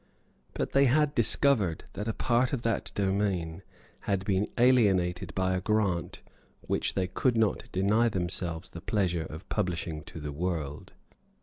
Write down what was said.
But they had discovered that a part of that domain had been alienated by a grant which they could not deny themselves the pleasure of publishing to the world.